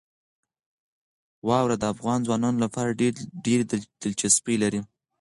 واوره د افغان ځوانانو لپاره ډېره دلچسپي لري.